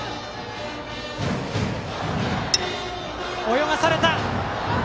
泳がされた。